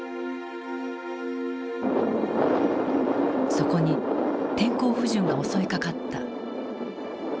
そこに天候不順が襲いかかった。